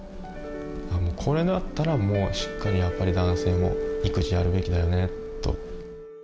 これだったらもうしっかりやっぱり男性も育児やるべきだよねと。